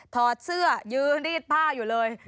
ถอดเสื้อยืนรีดผ้าอยู่เลย